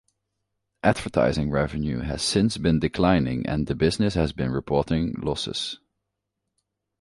Advertising revenue has since been declining and the business has been reporting losses.